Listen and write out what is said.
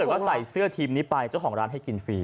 ว่าใส่เสื้อทีมนี้ไปเจ้าของร้านให้กินฟรี